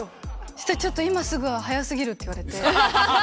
したらちょっと今すぐは早すぎるって言われて。